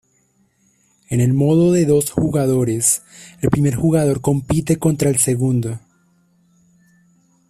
En el modo de dos jugadores, el primer jugador compite contra el segundo.